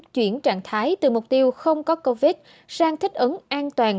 chuyển trạng thái từ mục tiêu không có covid sang thích ứng an toàn